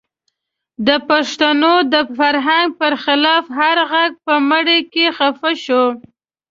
د پښتنو د فرهنګ پر خلاف هر غږ په مرۍ کې خفه شو.